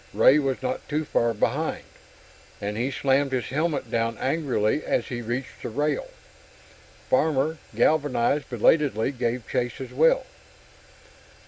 Ray was not too far behind, and he slammed his helmet down angrily as he reached the rail. Farmer, galvanized belatedly, gave chase as well.